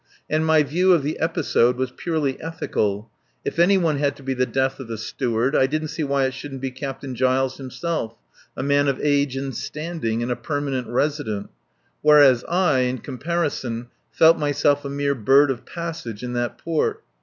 And my view of the episode was purely ethical. If any one had to be the death of the Steward I didn't see why it shouldn't be Captain Giles himself, a man of age and standing, and a permanent resident. Whereas, I in comparison, felt myself a mere bird of passage in that port.